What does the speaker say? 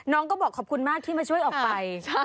น้องก็บอกขอบคุณมากที่มาช่วยออกไป